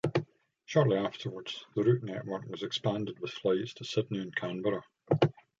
Shortly afterwards, the route network was expanded with flights to Sydney and Canberra.